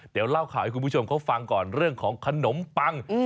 เดี๋ยวเล่าข่าวให้คุณผู้ชมเขาฟังก่อนเรื่องของขนมปัง